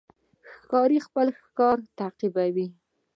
ښکاري خپل ښکار تعقیبوي.